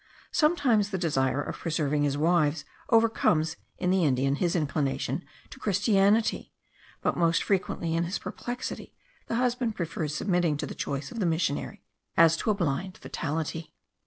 Sometimes the desire of preserving his wives overcomes in the Indian his inclination to christianity; but most frequently, in his perplexity, the husband prefers submitting to the choice of the missionary, as to a blind fatality.